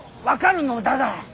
分かるのだが。